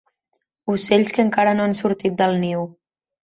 Ocells que encara no han sortit del niu.